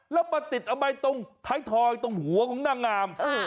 แล้วมาติดเอาไว้ตรงท้ายทอยตรงหัวของนางงาม